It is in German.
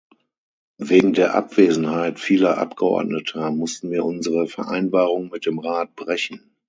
Wegen der Abwesenheit vieler Abgeordneter mussten wir unsere Vereinbarung mit dem Rat brechen.